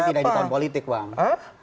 tapi tidak di tahun politik bang